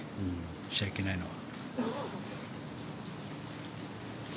しちゃいけないのは。